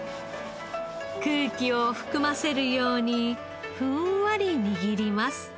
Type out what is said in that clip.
空気を含ませるようにふんわり握ります。